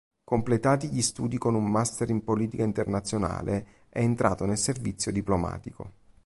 Completati gli studi con un master in politica internazionale, è entrato nel servizio diplomatico.